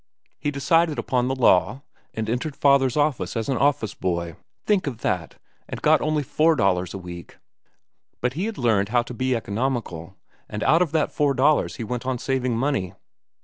He decided upon the law, and he entered father's office as an office boy—think of that!—and got only four dollars a week. But he had learned how to be economical, and out of that four dollars he went on saving money."